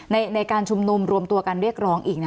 ในการชุมนุมรวมตัวกันเรียกร้องอีก